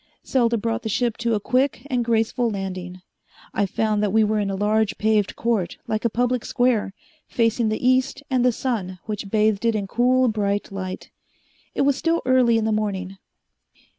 Selda brought the ship to a quick and graceful landing. I found that we were in a large paved court like a public square, facing the east and the sun, which bathed it in cool bright light. It was still early in the morning.